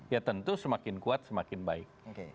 ya tentu semakin kuat semakin baik